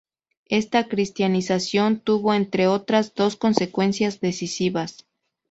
Esta cristianización tuvo, entre otras, dos consecuencias decisivas.